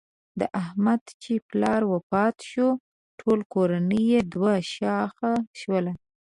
د احمد چې پلار وفات شو ټوله کورنۍ یې دوه شاخه شوله.